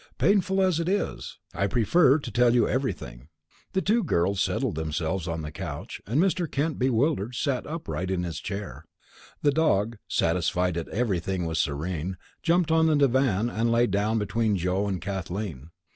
Painful as it is, I prefer to tell you everything." The two girls settled themselves on the couch and Mr. Kent, bewildered, sat upright in his chair. The dog, satisfied that everything was serene, jumped on the divan and lay down between Joe and Kathleen.